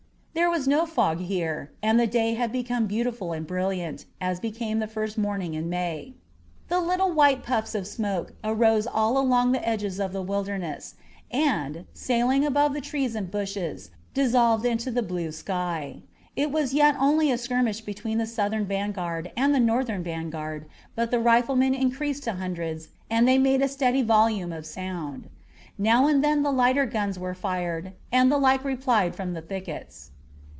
There was no fog here and the day had become beautiful and brilliant, as became the first morning in May. The little white puffs of smoke arose all along the edges of the Wilderness, and, sailing above the trees and bushes, dissolved into the blue sky. It was yet only a skirmish between the Southern vanguard and the Northern vanguard, but the riflemen increased to hundreds and they made a steady volume of sound. Now and then the lighter guns were fired and the like replied from the thickets.